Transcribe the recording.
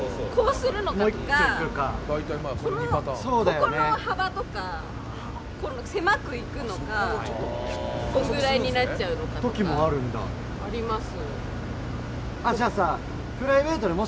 ここの幅とか、狭くいくのか、こんぐらいになっちゃうのかとかあります。